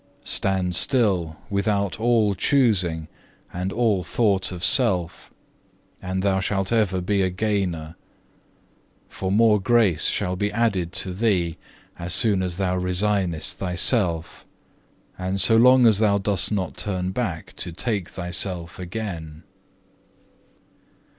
Stand still without all choosing and all thought of self, and thou shalt ever be a gainer. For more grace shall be added to thee, as soon as thou resignest thyself, and so long as thou dost not turn back to take thyself again."